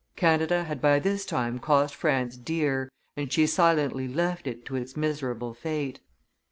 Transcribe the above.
Canada had by this time cost France dear; and she silently left it to its miserable fate.